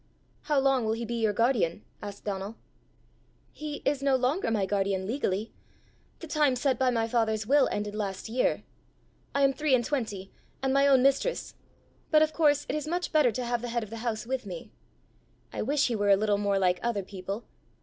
"How long will he be your guardian?" asked Donal. "He is no longer my guardian legally. The time set by my father's will ended last year. I am three and twenty, and my own mistress. But of course it is much better to have the head of the house with me. I wish he were a little more like other people!